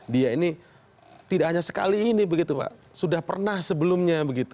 dia ini tidak hanya sekali ini sudah pernah sebelumnya